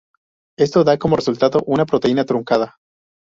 Esto da como resultado una proteína truncada.